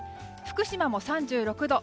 福島も３６度。